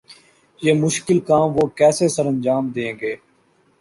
یہ مشکل کام وہ کیسے سرانجام دیں گے؟